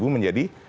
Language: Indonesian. empat menjadi empat